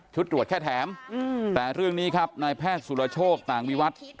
ตรวจแค่แถมแต่เรื่องนี้ครับนายแพทย์สุรโชคต่างวิวัตร